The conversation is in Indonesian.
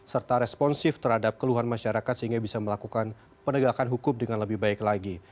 serta responsif terhadap keluhan masyarakat sehingga bisa melakukan penegakan hukum dengan lebih baik lagi